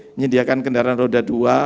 menyediakan kendaraan roda dua